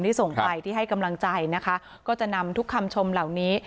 ส่งใครที่ให้กำลังใจนะคะก็จะนำทุกคำชมเหล่านี้